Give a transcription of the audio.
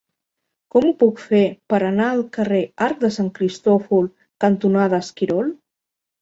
Com ho puc fer per anar al carrer Arc de Sant Cristòfol cantonada Esquirol?